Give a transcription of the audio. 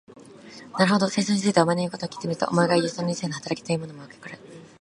なるほど、戦争について、お前の言うことを聞いてみると、お前がいう、その理性の働きというものもよくわかる。